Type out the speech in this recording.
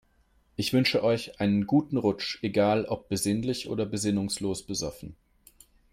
Ich wünsche euch einen guten Rutsch, egal ob besinnlich oder besinnungslos besoffen.